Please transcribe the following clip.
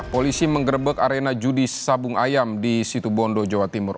polisi menggerebek arena judi sabung ayam di situbondo jawa timur